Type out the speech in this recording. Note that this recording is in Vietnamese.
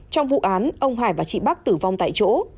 trong vụ án ông hải và chị bắc tử vong tại chỗ